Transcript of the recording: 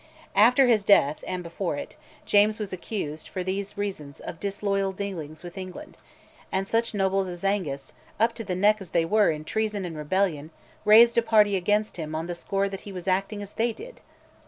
After his death, and before it, James was accused, for these reasons, of disloyal dealings with England; and such nobles as Angus, up to the neck as they were in treason and rebellion, raised a party against him on the score that he was acting as they did.